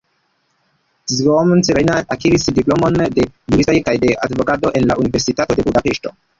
Zsigmond Reiner akiris diplomon de juristo kaj de advokato en la Universitato de Budapeŝto.